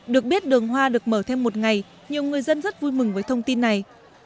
được biết đường hoa được mở thêm một ngày nhiều người dân rất vui mừng với thông tin này